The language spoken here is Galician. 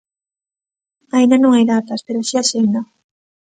Aínda non hai datas, pero si axenda.